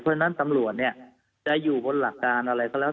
เพราะฉะนั้นตำรวจเนี่ยจะอยู่บนหลักการอะไรก็แล้ว